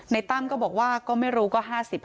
ตั้มก็บอกว่าก็ไม่รู้ก็๕๐๕